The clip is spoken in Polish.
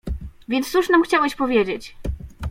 "Więc cóż nam chciałeś powiedzieć?"